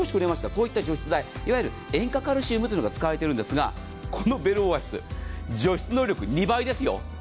こういった除湿剤いわゆる塩化カルシウムというのが使われているんですがこのベルオアシス除湿能力２倍ですよ。